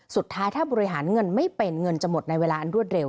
สุดท้ายถ้าบริหารเงินไม่เป็นเงินจะหมดในเวลาอันรวดเร็ว